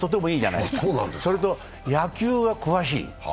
それと野球に詳しい。